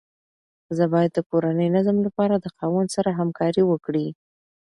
ښځه باید د کورني نظم لپاره د خاوند سره همکاري وکړي.